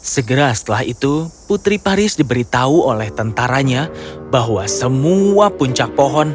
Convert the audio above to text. segera setelah itu putri paris diberitahu oleh tentaranya bahwa semua puncak pohon